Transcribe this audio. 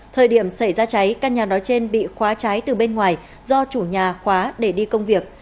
thời điểm xảy ra cháy căn nhà nói trên bị khóa cháy từ bên ngoài do chủ nhà khóa để đi công việc